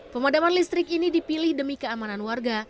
pemadaman listrik ini dipilih demi keamanan warga